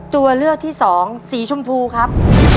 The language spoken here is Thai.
ตัวเลือกที่สองสีชมพูครับ